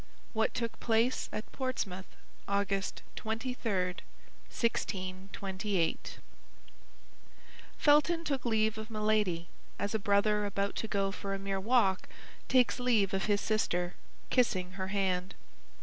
WHAT TOOK PLACE AT PORTSMOUTH AUGUST 23, 1628 Felton took leave of Milady as a brother about to go for a mere walk takes leave of his sister, kissing her hand.